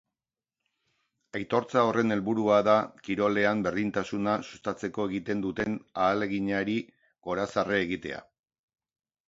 Aitortza horren helburua da kirolean berdintasuna sustatzeko egiten duten ahaleginari gorazarre egitea.